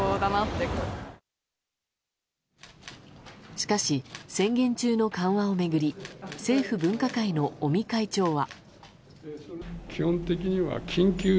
しかし、宣言中の緩和を巡り政府分科会の尾身会長は。